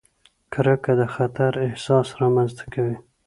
کرکه د خطر احساس رامنځته کوي.